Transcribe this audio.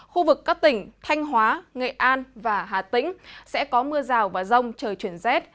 khu vực các tỉnh thanh hóa nghệ an và hà tĩnh sẽ có mưa rào và rông trời chuyển rét